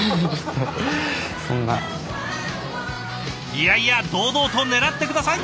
いやいや堂々と狙って下さい！